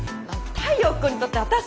太陽君にとって私って何？